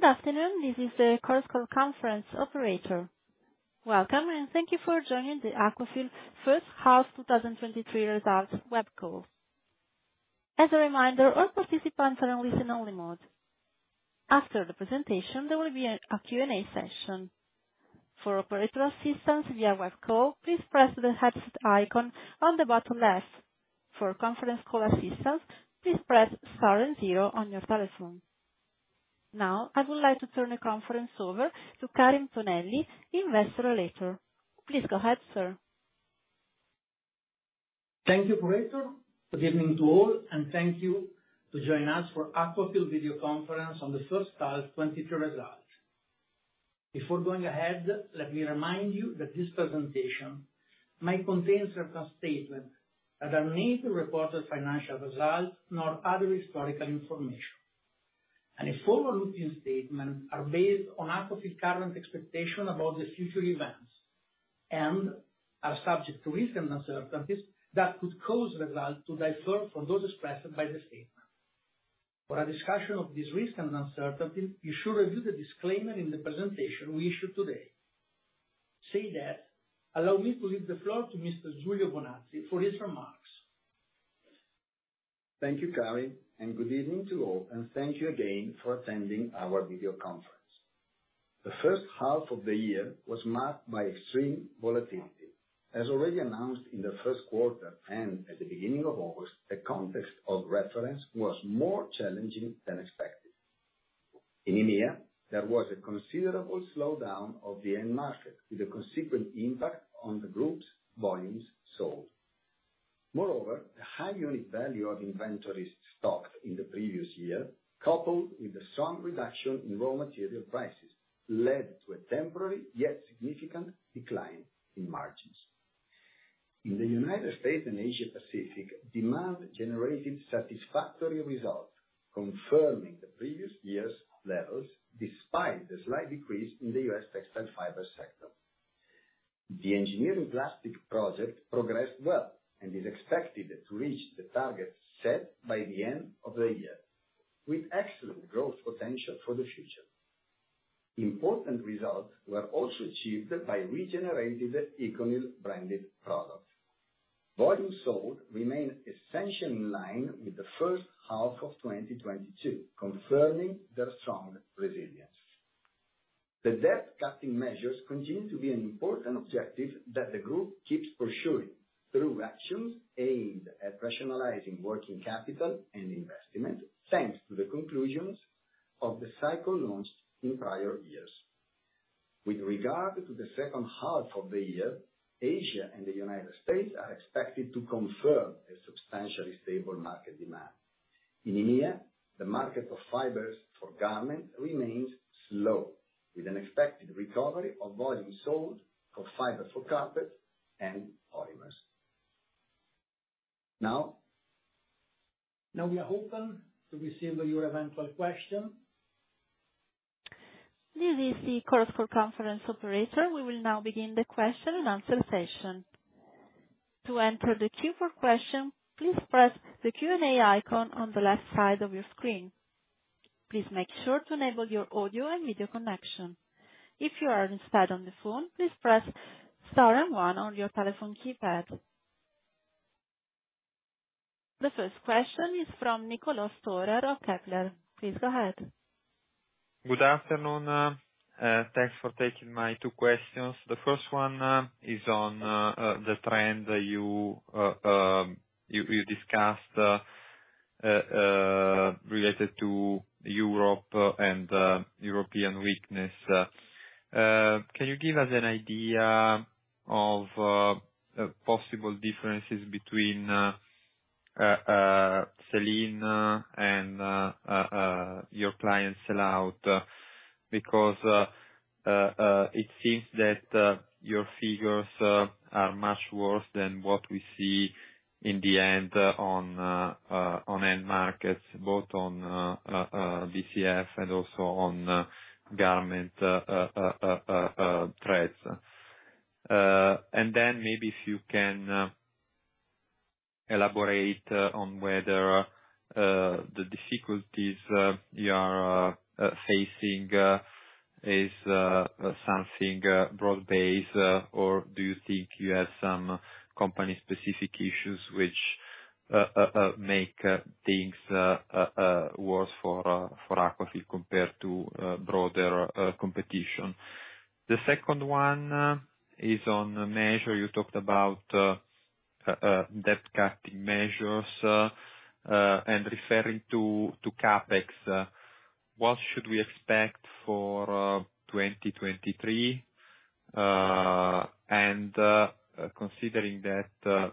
Good afternoon. This is the Chorus Call Conference operator. Welcome, and thank you for joining the Aquafil first half 2023 results web call. As a reminder, all participants are in listen-only mode. After the presentation, there will be a Q&A session. For operator assistance via web call, please press the headset icon on the bottom left. For conference call assistance, please press star and zero on your telephone. Now, I would like to turn the conference over to Karim Tonelli, Investor Relator. Please go ahead, sir. Thank you, operator. Good evening to all, and thank you for joining us for Aquafil video conference on the first half 2023 results. Before going ahead, let me remind you that this presentation might contain certain statements that are neither reported financial results nor other historical information. Any forward-looking statements are based on Aquafil's current expectations about the future events and are subject to risks and uncertainties that could cause results to differ from those expressed by the statement. For a discussion of these risks and uncertainties, you should review the disclaimer in the presentation we issued today. Say that, allow me to give the floor to Mr. Giulio Bonazzi for his remarks. Thank you, Karim, and good evening to all, and thank you again for attending our video conference. The first half of the year was marked by extreme volatility. As already announced in the first quarter, and at the beginning of August, the context of reference was more challenging than expected. In EMEA, there was a considerable slowdown of the end market, with a consequent impact on the group's volumes sold. Moreover, the high unit value of inventories stocked in the previous year, coupled with the strong reduction in raw material prices, led to a temporary, yet significant, decline in margins. In the U.S. and Asia Pacific, demand generated satisfactory results, confirming the previous year's levels despite the slight decrease in the U.S. textile fiber sector. The engineering plastic project progressed well and is expected to reach the targets set by the end of the year, with excellent growth potential for the future. Important results were also achieved by regenerative ECONYL branded products. Volumes sold remain essentially in line with the first half of 2022, confirming their strong resilience. The debt cutting measures continue to be an important objective that the group keeps pursuing through actions aimed at rationalizing working capital and investment, thanks to the conclusions of the cycle launched in prior years. With regard to the second half of the year, Asia and the United States are expected to confirm a substantially stable market demand. In EMEA, the market for fibers for garment remains slow, with an expected recovery of volumes sold for fiber for carpet and polymers. Now. Now we are open to receiving your eventual question. This is the Chorus Call conference operator. We will now begin the question and answer session. To enter the queue for question, please press the Q&A icon on the left side of your screen. Please make sure to enable your audio and video connection. If you are instead on the phone, please press star and one on your telephone keypad. The first question is from Nicolò Storer of Kepler. Please go ahead. Good afternoon. Thanks for taking my two questions. The first one is on the trend you discussed related to Europe and European weakness. Can you give us an idea of possible differences between sell-in and your clients sell out? Because it seems that your figures are much worse than what we see in the end on end markets, both on BCF and also on garment threads. Maybe if you can elaborate on whether the difficulties you are facing is something broad-based, or do you think you have some company specific issues which make things worse for Aquafil compared to broader competition? The second one is on measure. You talked about debt cutting measures, and referring to CapEx. What should we expect for 2023? Considering that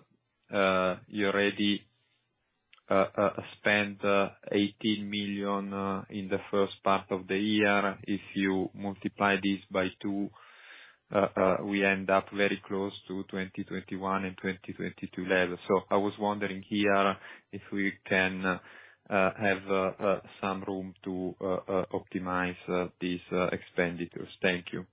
you already spent 18 million in the first part of the year, if you multiply this by two, we end up very close to 2021 and 2022 levels. I was wondering here if we can have some room to optimize these expenditures. Thank you.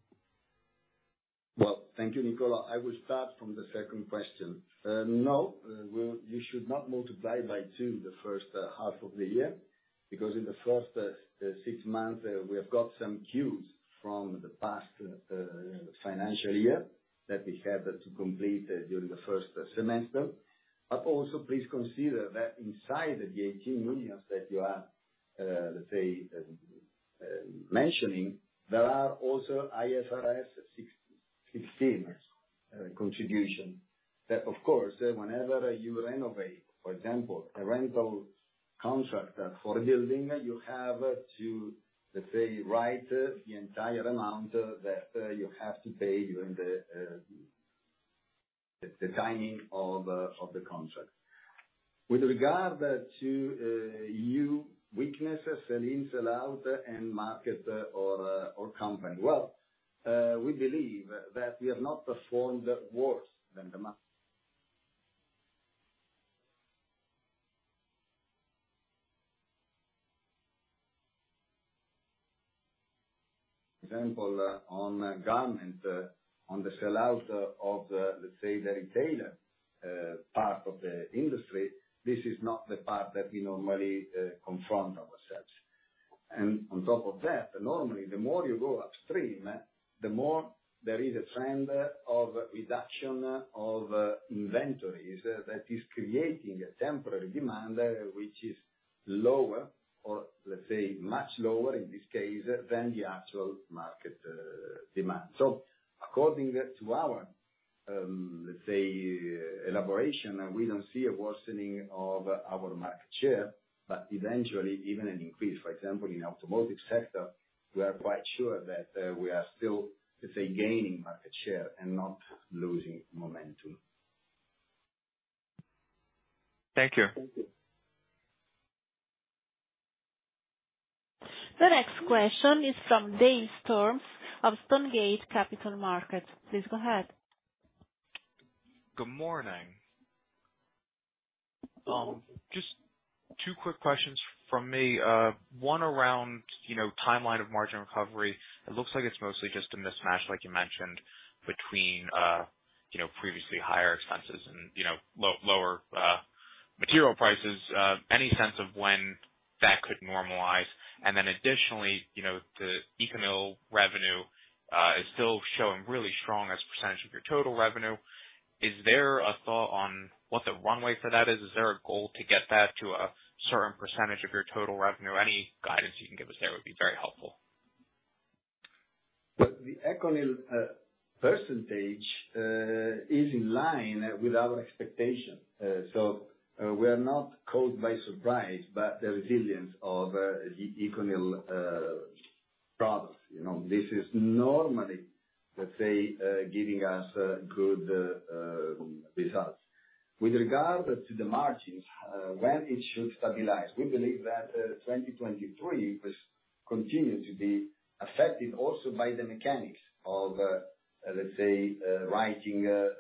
Thank you, Nicolò. I will start from the second question. You should not multiply by two the first half of the year, because in the first six months, we have got some cues from the past financial year that we had to complete during the first semester. Also, please consider that inside the 18 million that you are, let's say, mentioning, there are also IFRS 16 contribution. That, of course, whenever you renovate, for example, a rental contract for a building, you have to, let's say, write the entire amount that you have to pay during the timing of the contract. With regard to weaknesses, sell out, end market or company. Well, we believe that we have not performed worse than the market. For example, on garment, on the sellout of, let's say, the retailer part of the industry, this is not the part that we normally confront ourselves. On top of that, normally, the more you go upstream, the more there is a trend of reduction of inventories that is creating a temporary demand which is lower or, let's say, much lower in this case, than the actual market demand. According to our, let's say, elaboration, we don't see a worsening of our market share, but eventually even an increase. For example, in automotive sector, we are quite sure that we are still, let's say, gaining market share and not losing momentum. Thank you. Thank you. The next question is from Dave Storms of Stonegate Capital Markets. Please go ahead. Good morning. Just two quick questions from me. One around timeline of margin recovery. It looks like it's mostly just a mismatch, like you mentioned, between previously higher expenses and lower material prices. Any sense of when that could normalize? Additionally, the ECONYL revenue is still showing really strong as a % of your total revenue. Is there a thought on what the runway for that is? Is there a goal to get that to a certain % of your total revenue? Any guidance you can give us there would be very helpful. Well, the ECONYL % is in line with our expectation. We are not caught by surprise by the resilience of ECONYL products. This is normally, let's say, giving us good results. With regard to the margins, when it should stabilize, we believe that 2023 will continue to be affected also by the mechanics of, let's say, writing the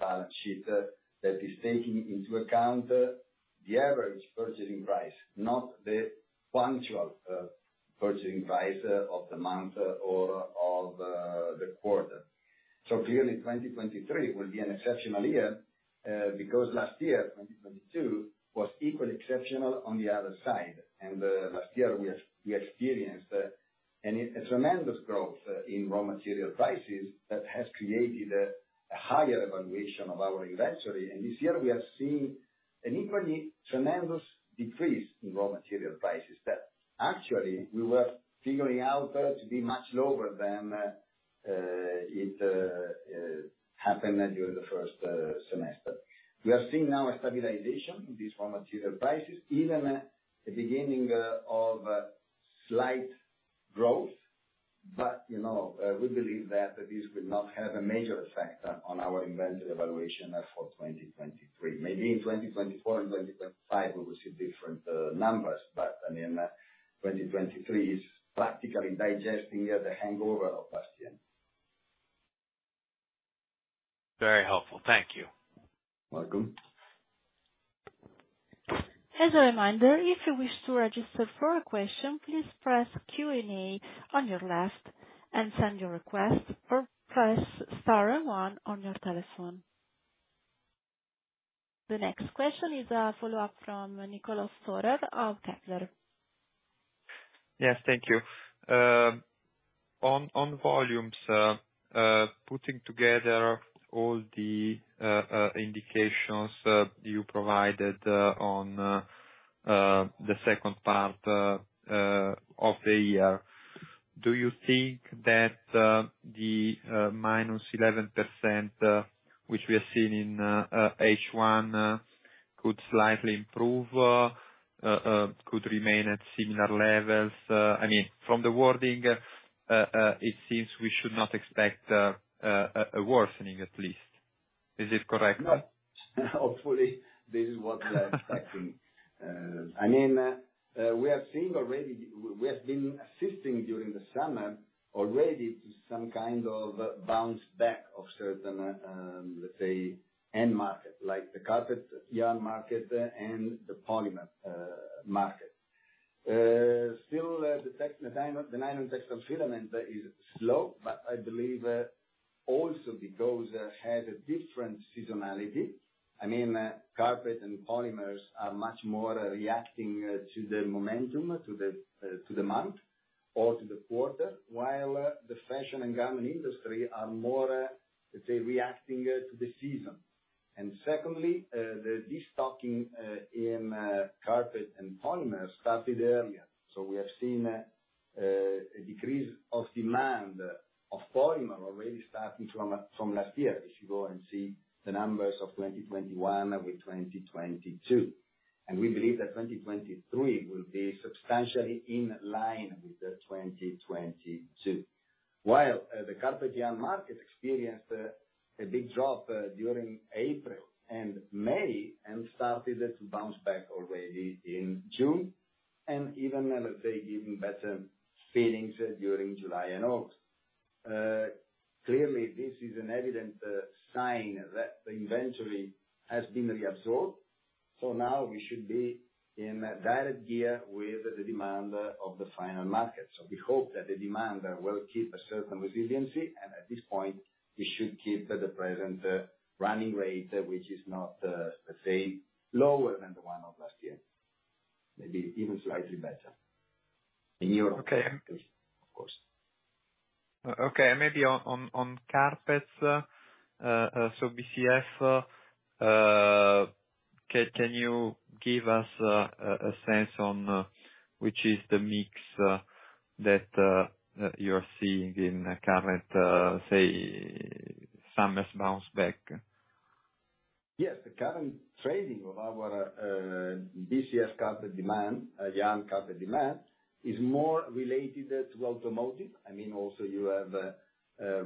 balance sheet that is taking into account the average purchasing price, not the punctual purchasing price of the month or of the quarter. Clearly 2023 will be an exceptional year, because last year, 2022, was equally exceptional on the other side. Last year we experienced a tremendous growth in raw material prices that has created a higher evaluation of our inventory. This year we are seeing an equally tremendous decrease in raw material prices that actually we were figuring out to be much lower than it happened during the first semester. We are seeing now a stabilization in these raw material prices, even a beginning of slight growth. We believe that this will not have a major effect on our inventory evaluation for 2023. Maybe in 2024 and 2025, we will see different numbers. 2023 is practically digesting the hangover of last year. Very helpful. Thank you. Welcome. As a reminder, if you wish to register for a question, please press Q&A on your left and send your request, or press star and one on your telephone. The next question is a follow-up from Nicolò Storer of Kepler. Yes. Thank you. On volumes, putting together all the indications you provided on the second part of the year, do you think that the minus 11%, which we are seeing in H1, could slightly improve, could remain at similar levels? From the wording, it seems we should not expect a worsening at least. Is this correct? Yes. Hopefully, this is what we are expecting. We have been assisting during the summer already to some kind of bounce back of certain, let's say, end market, like the carpet yarn market and the polymer market. Still, the nylon textile filament is slow, but I believe also because it had a different seasonality. Carpet and polymers are much more reactive to the momentum, to the month, or to the quarter, while the fashion and garment industry are more, let's say, reacting to the season. Secondly, the de-stocking in carpet and polymers started earlier. We have seen a decrease of demand of polymer already starting from last year, if you go and see the numbers of 2021 with 2022. We believe that 2023 will be substantially in line with 2022. While the carpet yarn market experienced a big drop during April and May and started to bounce back already in June, and even, let's say, even better feelings during July and August. Clearly, this is an evident sign that inventory has been reabsorbed. Now we should be in a better gear with the demand of the final market. We hope that the demand will keep a certain resiliency, and at this point, we should keep the present running rate, which is not, let's say, lower than the one of last year. Maybe even slightly better. In Europe. Okay. Of course. Okay. Maybe on carpets, so BCF, can you give us a sense on which is the mix that you're seeing in current, say, summer's bounce back? Yes. The current trading of our BCF carpet demand, yarn carpet demand, is more related to automotive. Also you have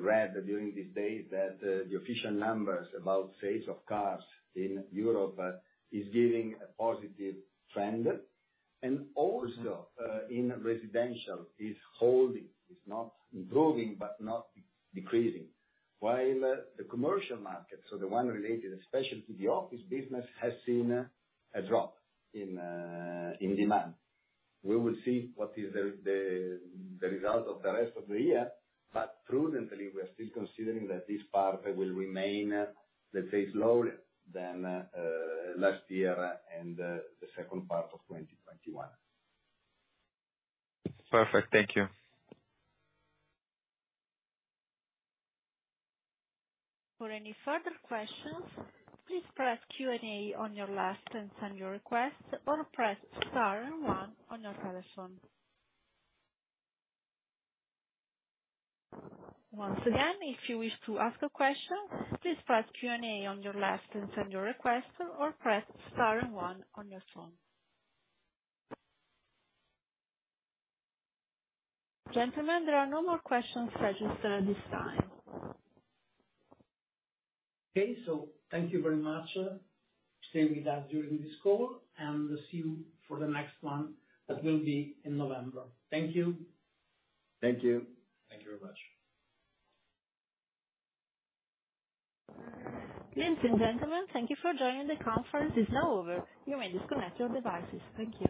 read during these days that the official numbers about sales of cars in Europe is giving a positive trend. Also in residential, it's holding. It's not improving, but not decreasing. While the commercial market, so the one related especially to the office business, has seen a drop in demand. We will see what is the result of the rest of the year, but prudently, we're still considering that this part will remain, let's say, lower than last year and the second part of 2021. Perfect. Thank you. For any further questions, please press Q&A on your left and send your request, or press star and one on your telephone. Once again, if you wish to ask a question, please press Q&A on your left and send your request, or press star and one on your phone. Gentlemen, there are no more questions registered at this time. Okay. Thank you very much. Stay with us during this call, and see you for the next one. That will be in November. Thank you. Thank you. Thank you very much. Ladies and gentlemen, thank you for joining. The conference is now over. You may disconnect your devices. Thank you.